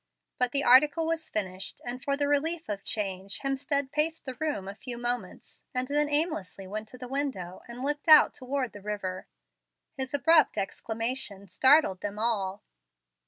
But the article was finished, and for the relief of change Hemstead paced the room a few moments, and then half aimlessly went to the window and looked out toward the river. His abrupt exclamation startled them all.